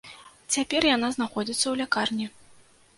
Цяпер яна знаходзіцца ў лякарні.